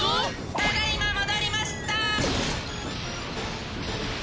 ただ今戻りました！